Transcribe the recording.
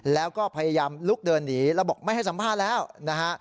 แล้วก็พยายามลุกเดินหนีแล้วบอกไม่ให้สัมภาษณ์แล้วนะฮะ